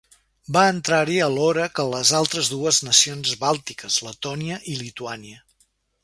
Va entrar-hi alhora que les altres dues nacions bàltiques, Letònia i Lituània.